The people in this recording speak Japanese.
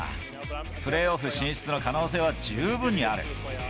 プレーオフ進出の可能性は十分にある。